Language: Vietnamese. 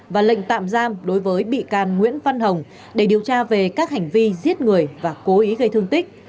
và lệnh tạm giam đối với bị can nguyễn văn hồng để điều tra về các hành vi giết người và cố ý gây thương tích